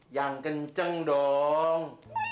yang kenceng dong